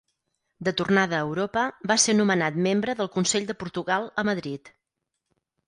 De tornada a Europa, va ser nomenat membre del Consell de Portugal a Madrid.